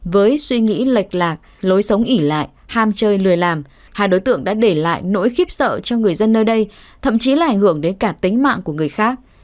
với suy nghĩ lệch lạc lối sống ỉ lại ham chơi lười làm hai đối tượng đã để lại nỗi khiếp sợ cho người dân nơi đây thậm chí là ảnh hưởng đến cả tính mạng của người khác